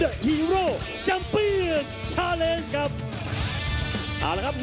สวัสดีทุกคน